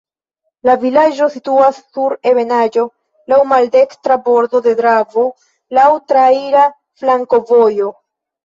La vilaĝo situas sur ebenaĵo, laŭ maldekstra bordo de Dravo, laŭ traira flankovojo.